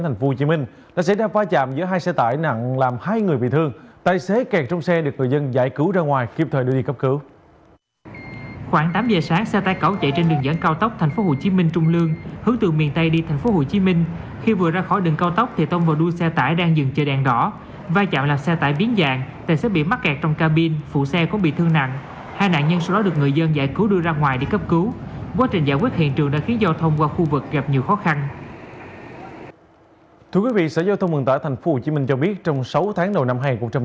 thưa quý vị sở giao thông vận tải tp hcm cho biết trong sáu tháng đầu năm hai nghìn một mươi chín